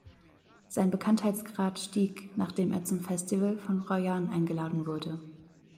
Sein Bekanntheitsgrad stieg, nachdem er zum Festival von Royan eingeladen wurde.